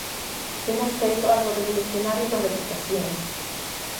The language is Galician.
Temos feito algo revolucionario na Deputación.